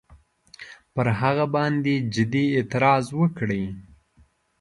پر هغه باندي جدي اعتراض وکړي.